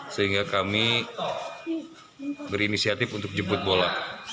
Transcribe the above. sehingga kami berinisiatif untuk jemput bola